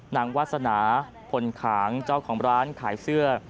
วาสนาพลขางเจ้าของร้านขายเสื้อ